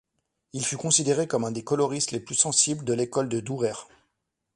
Il fut considéré comme un des coloristes les plus sensibles de l'école de Dürer.